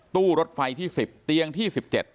รถไฟที่๑๐เตียงที่๑๗